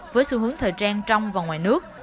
với xu hướng thời trang trong và ngoài nước